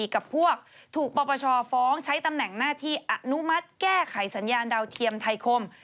กับพวกถูกปปชฟ้องใช้ตำแหน่งหน้าที่อนุมัติแก้ไขสัญญาณดาวเทียมไทยคม